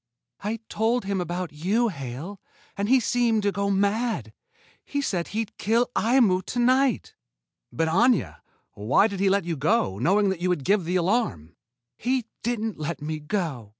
"I told him about you, Hale. And then he seemed to go mad. He said he'd kill Aimu to night." "But, Aña! Why did he let you go, knowing that you would give the alarm?" "He didn't let me go."